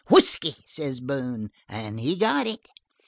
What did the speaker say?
"'Whisky,' says Boone. And he got it.